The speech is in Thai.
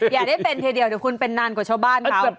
อย่าได้เป็นทีเดียวเดี๋ยวคุณเป็นนานกว่าชาวบ้านเขา